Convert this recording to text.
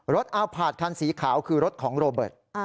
อัลพาร์ทคันสีขาวคือรถของโรเบิร์ต